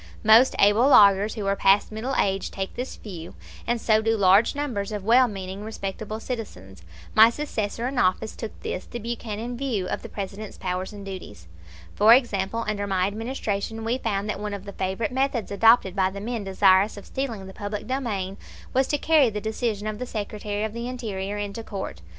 Most able lawyers who are past middle age take this view, and so do large numbers of well meaning, respectable citizens. My successor in office took this, the Buchanan, view of the President's powers and duties. For example, under my Administration we found that one of the favorite methods adopted by the men desirous of stealing the public domain was to carry the decision of the Secretary of the Interior into court.